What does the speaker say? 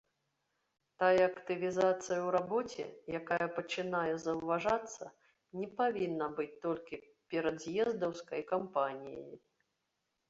Тая актывізацыя ў рабоце, якая пачынае заўважацца, не павінна быць толькі перадз'ездаўскай кампаніяй.